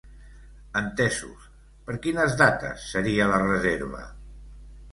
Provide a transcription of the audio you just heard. Entesos, per quines dates seria la reserva?